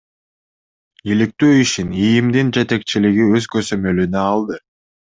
Иликтөө ишин ИИМдин жетекчилиги өз көзөмөлүнө алды.